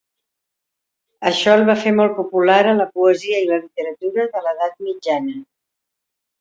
Això el va fer molt popular a la poesia i la literatura de l'Edat Mitjana.